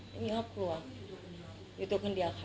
ไม่มีครอบครัวอยู่ตัวคนเดียวค่ะ